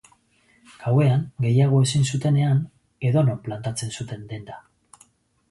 Gauean, gehiago ezin zutenean, edonon plantatzen zuten denda.